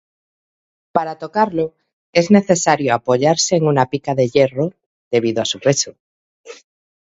Para tocarlo, es necesario apoyarse en una pica de hierro, debido a su peso.